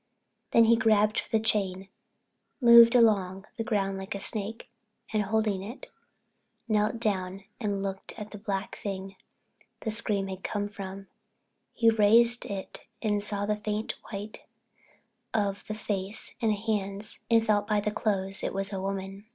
Then he grabbed for the chain, moving along the ground like a snake, and holding it, knelt and looked at the black thing—the thing the scream had come from. He raised it and saw the faint white of the face and hands and felt by the clothes it was a woman.